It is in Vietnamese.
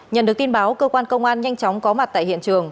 nhận được tin báo cơ quan công an nhanh chóng có mặt tại hiện trường